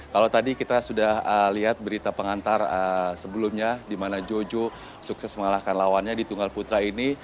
kalau tadi kita sudah lihat berita pengantar sebelumnya di mana jojo sukses mengalahkan lawannya di tunggal putra ini